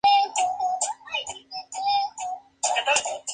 Fue el primer bicampeón de la Primera División y automáticamente logró el pase.